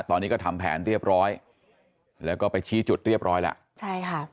ตอนนี้ก็ทำแผนเรียบร้อยแล้วก็ไปชี้จุดเรียบร้อยแล้วใช่ค่ะ